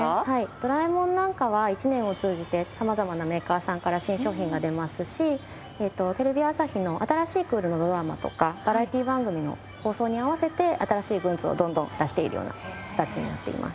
『ドラえもん』なんかは１年を通じて様々なメーカーさんから新商品が出ますしテレビ朝日の新しいクールのドラマとかバラエティー番組の放送に合わせて新しいグッズをどんどん出しているような形になっています。